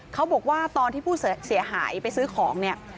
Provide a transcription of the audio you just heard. เขาบอกว่าตอนที่ผู้เสียหายไปซื้อของเนี่ย